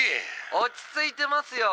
「落ち着いてますよ。